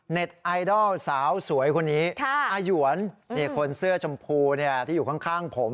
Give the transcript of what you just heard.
เน็ตไอดอลสาวสวยคนนี้อยเนี่ยคนเสื้อชมพูเนี่ยที่อยู่ข้างผม